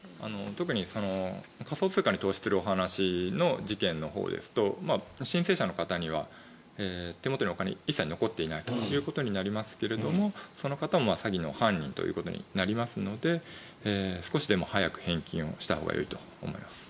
特に仮想通貨に投資する話の事件のほうですと申請者の方には手元にお金が一切残っていないということになりますがその方も詐欺の犯人ということになりますので少しでも早く返金をしたほうがよいと思います。